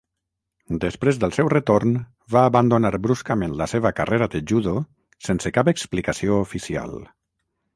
Després del seu retorn, va abandonar bruscament la seva carrera de judo sense cap explicació oficial.